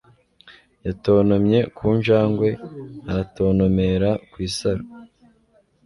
yatontomye ku njangwe aratontomera ku isaro